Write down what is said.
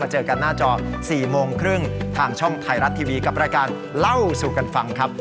เจอกันหน้าจอ๔โมงครึ่งทางช่องไทยรัฐทีวีกับรายการเล่าสู่กันฟังครับ